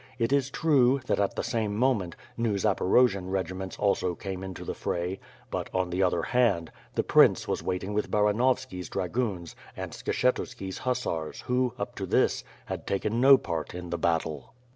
It is true, that at the same moment, new Zaporojian regiments also came into the fray; but, on the other hand, the prince was waiting with Baranovski's dragoons and Skshetuski's hussars who, up to this, had taken no part in the battle.